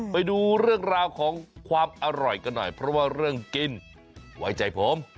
ไปดูเรื่องราวของความอร่อยกันหน่อยเพราะว่าเรื่องกินไว้ใจผม